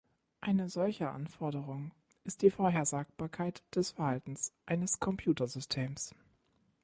Eine solche Anforderung ist die Vorhersagbarkeit des Verhaltens eines Computersystems.